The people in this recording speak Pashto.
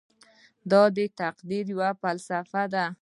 دا د تقدیر یوه فلسفه ده.